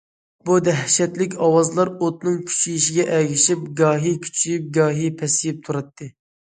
بۇ دەھشەتلىك ئاۋازلار ئوتنىڭ كۆيۈشىگە ئەگىشىپ گاھى كۈچىيىپ، گاھى پەسىيىپ تۇراتتى.